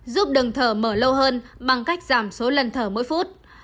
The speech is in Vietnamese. giúp đường thở mở lâu hơn bằng cách giảm số lần thở mỗi phút